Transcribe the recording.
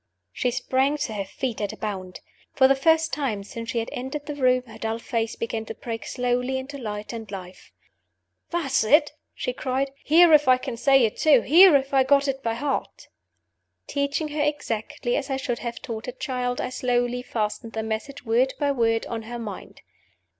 She sprang to her feet at a bound. For the first time since she had entered the room her dull face began to break slowly into light and life. "That's it!" she cried. "Hear if I can say it, too; hear if I've got it by heart." Teaching her exactly as I should have taught a child, I slowly fastened the message, word by word, on her mind.